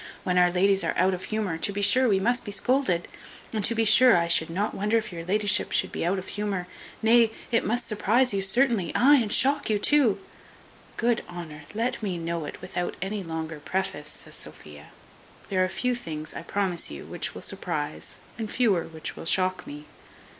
When our ladies are out of humour, to be sure we must be scolded; and to be sure I should not wonder if your la'ship should be out of humour; nay, it must surprize you certainly, ay, and shock you too." "Good Honour, let me know it without any longer preface," says Sophia; "there are few things, I promise you, which will surprize, and fewer which will shock me."